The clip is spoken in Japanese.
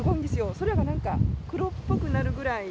空がなんか黒っぽくなるぐらい。